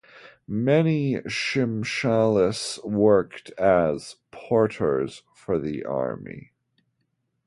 Many Shimshalis worked as porters for the army.